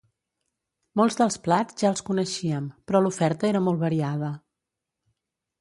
Molts dels plats ja els coneixíem, però l'oferta era molt variada.